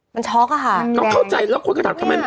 มันช็อกอะค่ะ